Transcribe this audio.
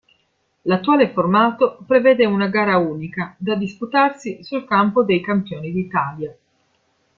L'attuale formato prevede una gara unica da disputarsi sul campo dei Campioni d'Italia.